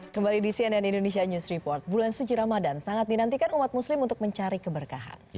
kembali di cnn indonesia news report bulan suci ramadan sangat dinantikan umat muslim untuk mencari keberkahan